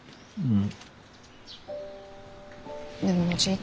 うん。